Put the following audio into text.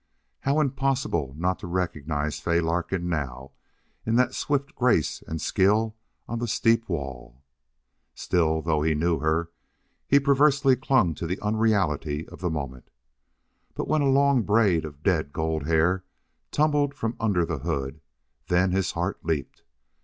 How impossible not to recognize Fay Larkin now in that swift grace and skill on the steep wall! Still, though he knew her, he perversely clung to the unreality of the moment. But when a long braid of dead gold hair tumbled from under the hood, then his heart leaped.